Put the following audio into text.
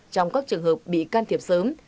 trong các trường hợp bị can thiệp sớm